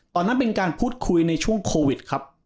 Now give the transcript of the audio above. ตอนนั้นเป็นการพูดคุยในช่วงโควิดครับ